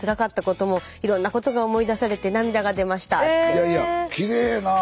いやいやきれいなぁ。